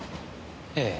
ええ。